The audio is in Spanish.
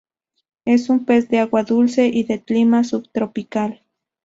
Es un pez de agua dulce y de clima subtropical.